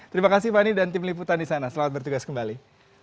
terima kasih fani dan tim liputan di sana selamat bertugas kembali